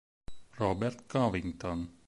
Robert Covington